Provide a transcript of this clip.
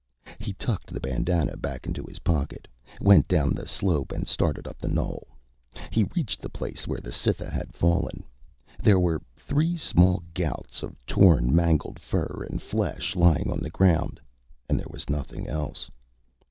He tucked the bandanna back into his pocket, went down the slope and started up the knoll. He reached the place where the Cytha had fallen. There were three small gouts of torn, mangled fur and flesh lying on the ground and there was nothing else.